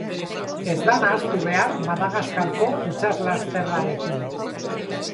Ez da nahastu behar Madagaskarko itsaslasterrarekin.